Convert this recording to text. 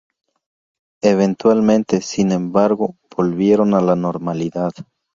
Eventualmente, sin embargo, volvieron a la normalidad.